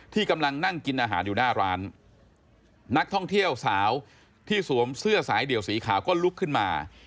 กำลังนั่งกินอาหารอยู่หน้าร้านนักท่องเที่ยวสาวที่สวมเสื้อสายเดี่ยวสีขาวก็ลุกขึ้นมา